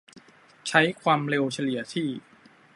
ใช้ความเร็วเฉลี่ยที่